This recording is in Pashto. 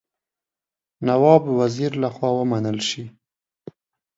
نواب وزیر له خوا ومنل شي.